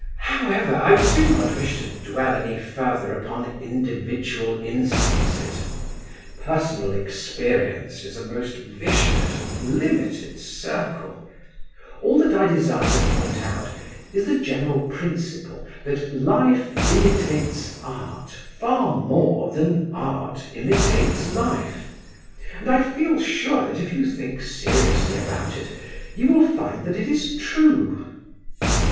However, I do not wish to dwell any further upon individual instances. Personal experience is a most vicious and limited circle. All that I desire to point out is the general principle that Life imitates Art far more than Art imitates Life, and I feel sure that if you think seriously about it you will find that it is true.